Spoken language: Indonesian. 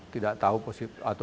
tidak tahu posisi atau keadaan mereka